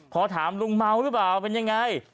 พอถามลุงเมาหรือเปล่าเป็นยังไง